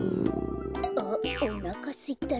あっおなかすいたなあ。